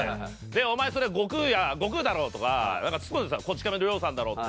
「お前それ悟空だろ」とかツッコんでた「『こち亀』の両さんだろ」って。